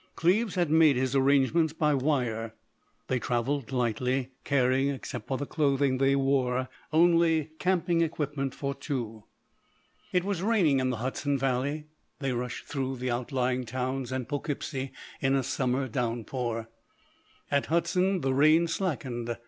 Cleves had made his arrangements by wire. They travelled lightly, carrying, except for the clothing they wore, only camping equipment for two. It was raining in the Hudson valley; they rushed through the outlying towns and Po'keepsie in a summer downpour. At Hudson the rain slackened.